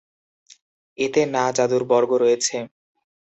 এতে "না" জাদুর বর্গ রয়েছে।